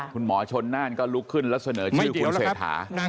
คุณหมอชนน่านก็ลุกขึ้นแล้วเสนอชื่อคุณเศรษฐา